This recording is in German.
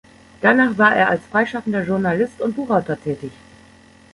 Danach war er als freischaffender Journalist und Buchautor tätig.